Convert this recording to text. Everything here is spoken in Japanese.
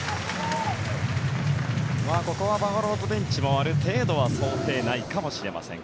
ここはバファローズベンチもある程度は想定内かもしれません。